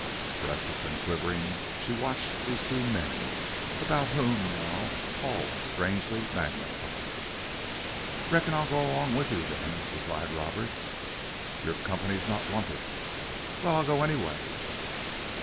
Breathless and quivering, she watched these two men, about whom now all was strangely magnified. "Reckon I'll go along with you, then," replied Roberts. "Your company's not wanted." "Wal, I'll go anyway."